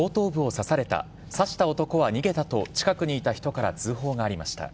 刺した男は逃げたと近くにいた人から通報がありました。